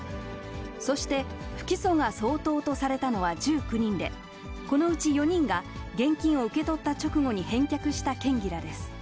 そして不起訴が相当とされたのは１９人で、このうち４人が現金を受け取った直後に返却した県議らです。